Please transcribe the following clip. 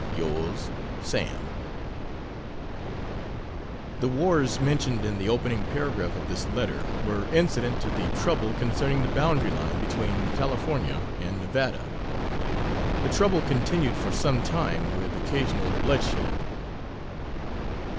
Yrs. SAM The "wars" mentioned in the opening paragraph of this letter were incident to the trouble concerning the boundary line between California and Nevada. The trouble continued for some time, with occasional bloodshed.